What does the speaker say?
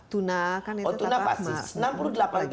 tuna kan itu dapat maksimal